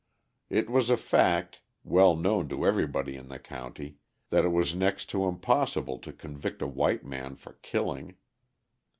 It was a fact well known to everybody in the county that it was next to impossible to convict a white man for killing.